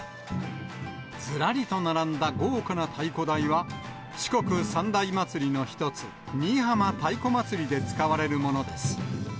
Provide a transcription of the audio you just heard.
ずらりと並んだ豪華な太鼓台は、四国三大祭りの１つ、新居浜太鼓祭りで使われるものです。